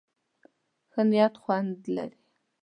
ښه نيت خوند لري.